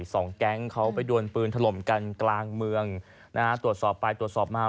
สองแก๊งเขาไปดวนปืนถล่มกันกลางเมืองนะฮะตรวจสอบไปตรวจสอบมา